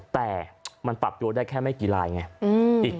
แต่มันปรับตัวได้แค่ไม่กี่ลายไง